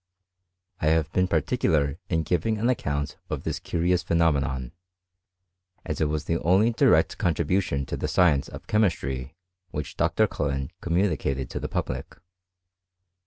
I have been particular in giving an account of this curious phenomenon, as it was the only direct contri bution to the science of chemistry which Dr. Cullen communicated to the public.